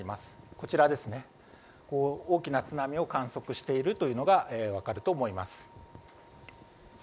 こちらですね、大きな津波を観測しているというのがわかると思います。